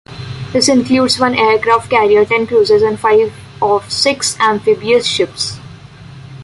This included one aircraft carrier, ten cruisers and five of six amphibious ships.